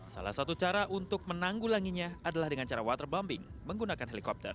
salah satu cara untuk menanggulanginya adalah dengan cara waterbombing menggunakan helikopter